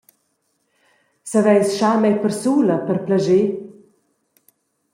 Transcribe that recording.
Saveis schar mei persula per plascher?